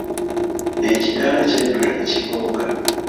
Ekidaala kyajjula ne kibooga.